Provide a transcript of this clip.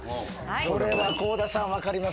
これは倖田さん分かりますよね？